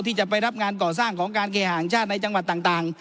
ที่จะไปรับงานก่อสร้างของการเคหาแห่งชาติในจังหวัดต่าง